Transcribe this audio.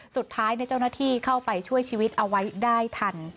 สุดท้ายเจ้าหน้าที่เข้าไปช่วยชีวิตเอาไว้ได้ทัน